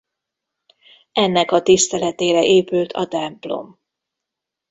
Ennek a tiszteletére épült a templom.